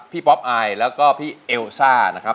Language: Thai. ป๊อปอายแล้วก็พี่เอลซ่านะครับ